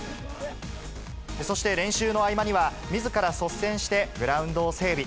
そして、練習の合間には、みずから率先してグラウンドを整備。